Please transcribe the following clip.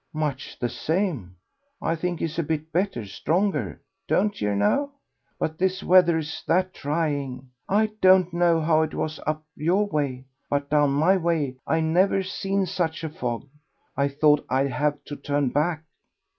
"Much the same.... I think he's a bit better; stronger, don't yer know. But this weather is that trying. I don't know how it was up your way, but down my way I never seed such a fog. I thought I'd have to turn back."